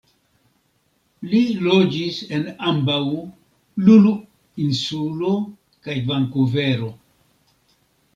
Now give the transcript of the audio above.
Li loĝis en ambaŭ Lulu-insulo kaj Vankuvero.